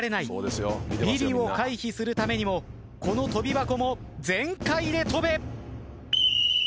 ビリを回避するためにもこの跳び箱も全開で跳べ。